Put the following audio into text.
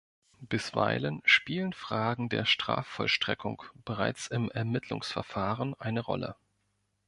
Bisweilen spielen Fragen der Strafvollstreckung bereits im Ermittlungsverfahren eine Rolle.